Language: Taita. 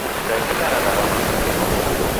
Ndaghina radarama shuu.